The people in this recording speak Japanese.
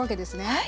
はい。